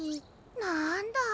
なんだ。